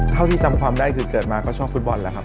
เท่าที่จำความได้คือเกิดมาก็ชอบฟุตบอลแล้วครับ